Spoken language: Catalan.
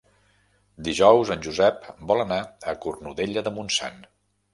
Dijous en Josep vol anar a Cornudella de Montsant.